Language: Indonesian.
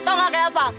tau gak kayak apa